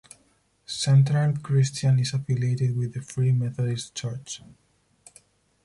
Central Christian is affiliated with the Free Methodist Church.